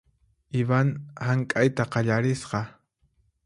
Ivan hank'ayta qallarisqa .